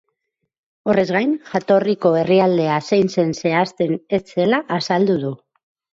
Horrez gain, jatorriko herrialdea zein zen zehazten ez zela azaldu du.